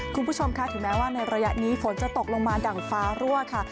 คุณผู้ชมค่ะถึงแม้ว่าในระยะนี้ฝนจะตกลงมาดั่งฟ้ารั่วค่ะ